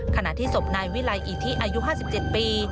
ขณะที่ศพนายวิลัยอิทธิอายุ๕๗ปี